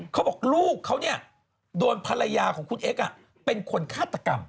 เขาบอกลูกเขาเนี่ยโดนภรรยาของคุณเอ็กซ์เป็นคนฆาตกรรม